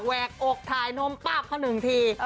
แวกอกถ่ายนมป้าบเขาหนึ่งที